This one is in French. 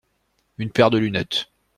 Une paire de lunettes.